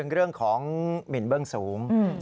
เรื่องของหมินเบื้องสูง